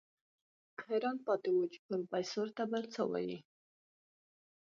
حيران پاتې و چې پروفيسر ته به څه وايي.